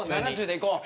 ７０でいこう。